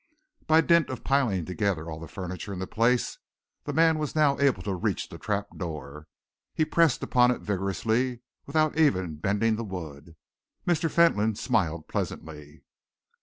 By dint of piling together all the furniture in the place, the man was now able to reach the trap door. He pressed upon it vigorously without even bending the wood. Mr. Fentolin smiled pleasantly.